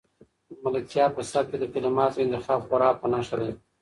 د ملکیار په سبک کې د کلماتو انتخاب خورا په نښه دی.